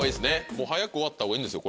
早く終わったほうがいいんですよ